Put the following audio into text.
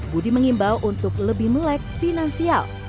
budi mengimbau untuk lebih melek finansial